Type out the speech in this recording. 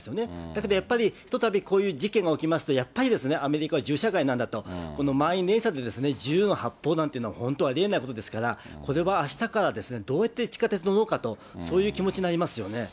だけどやっぱり、ひとたびこういう事件が起きますと、やっぱりですね、アメリカは銃社会なんだと、この満員電車で銃の発砲なんていうのは、本当、ありえないことですから、これはあしたから、どうやって地下鉄乗ろうかと、そういう気持ちになりますよね。